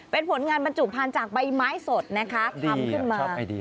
เป็นผลงานบรรจุผ่านจากใบไม้สดนะคะทำขึ้นมาชอบไอเดีย